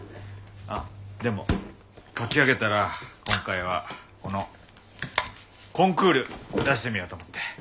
あっでも書き上げたら今回はこのコンクール出してみようと思って。